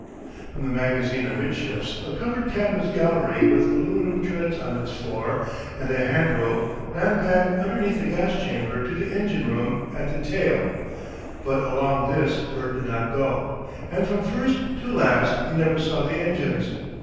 From the magazine amidships a covered canvas gallery with aluminium treads on its floor and a hand rope, ran back underneath the gas chamber to the engine room at the tail; but along this Bert did not go, and from first to last he never saw the engines.